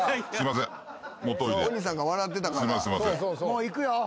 もういくよ。